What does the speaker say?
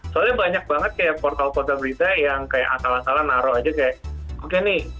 soalnya banyak banget kayak portal portal berita yang kayak akal akal naruh aja kayak oke nih